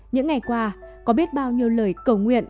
những ngày qua có biết bao nhiêu lời cầu nguyện